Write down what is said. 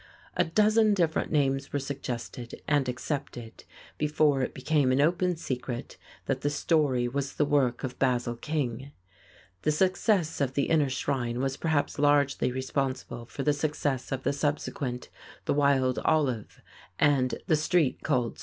A dozen different names were suggested and accepted before it became an open secret that the story was the work of Basil King. The success of "The Inner Shrine" was perhaps largely responsible for the success of the subsequent "The Wild Olive" and "The Street Called Straight."